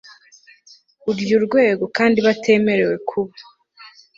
uryu rwego kandi batemerewe kuba